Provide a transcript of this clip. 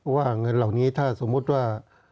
ว่าเงินเหล่านี้ถ้าสมมุติว่า